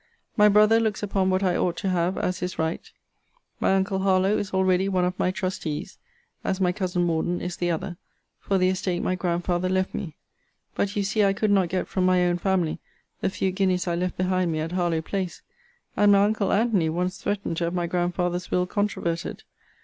My brother looks upon what I ought to have as his right. My uncle Harlowe is already one of my trustees (as my cousin Morden is the other) for the estate my grandfather left me: but you see I could not get from my own family the few guineas I left behind me at Harlowe place; and my uncle Antony once threatened to have my grandfather's will controverted.